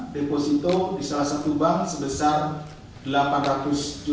deposito di salah satu bank sebesar rp delapan ratus